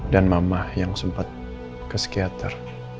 dan mama yang sempat ke psikiater